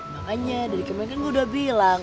makanya dari kemarin kan gue udah bilang